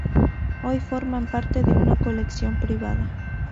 Hoy forman parte de una colección privada.